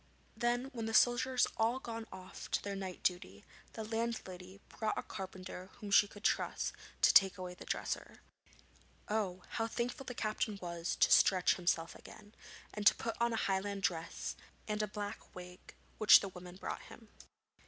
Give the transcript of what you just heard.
Then, when the soldiers had all gone off to their night duty, the landlady brought a carpenter whom she could trust to take away the dresser. Oh! how thankful the captain was to stretch himself again, and to put on a Highland dress and a black wig which the woman brought him.